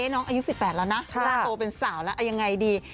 น้องอายุ๑๘แล้วนะร่างโตเป็นสาวแล้วยังไงดี